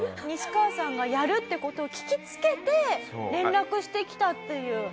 ニシカワさんがやるって事を聞きつけて連絡してきたっていう。